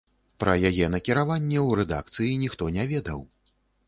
Пра яе накіраванне ў рэдакцыі ніхто не ведаў.